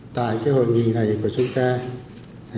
tại cái hội nghị này của chúng ta